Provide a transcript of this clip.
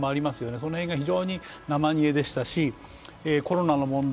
その辺が非常に生煮えでしたしコロナの問題